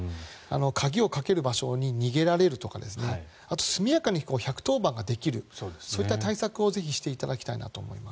鍵をかける場所に逃げられるとかあと、速やかに１１０番ができるそういった対策をぜひしていただきたいなと思います。